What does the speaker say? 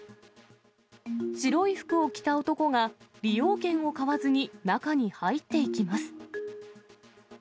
白い服を着た男が利用券を買わずに、中に入っていきます。